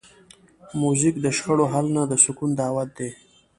موزیک د شخړو حل نه، د سکون دعوت دی.